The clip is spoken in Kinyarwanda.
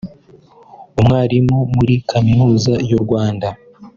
umwarimu muri kaminuza y’u Rwanda